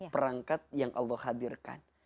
perangkat yang allah hadirkan